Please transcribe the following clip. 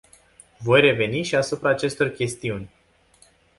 Voi reveni și asupra acestor chestiuni.